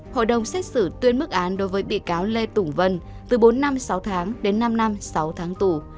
hội đồng xét xử tuyên mức án đối với bị cáo lê tùng vân từ bốn năm sáu tháng đến năm năm sáu tháng tù